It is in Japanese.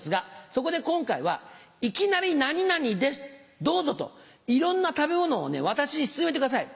そこで今回は「いきなり何々ですどうぞ」といろんな食べ物を私に勧めてください。